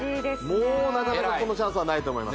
もうなかなかこのチャンスはないと思います